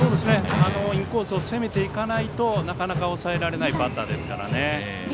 インコースを攻めていかないとなかなか抑えられないバッターですから。